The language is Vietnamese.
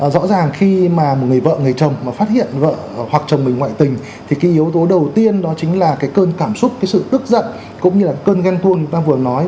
rõ ràng khi mà một người vợ người chồng mà phát hiện vợ hoặc chồng mình ngoại tình thì cái yếu tố đầu tiên đó chính là cái cơn cảm xúc cái sự tức giận cũng như là cơn ghen tuông ta vừa nói